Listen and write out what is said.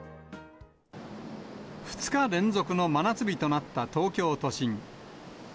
２日連続の真夏日となった東京都心。